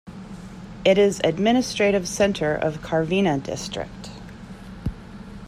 It is administrative center of Karviná District.